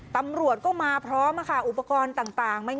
ตำรวจก็มาพร้อมอุปกรณ์ต่าง